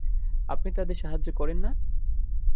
আপনি তাদের সাহায্য করেন না?